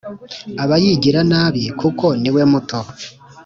Aba yigira nabi kuko niwe muto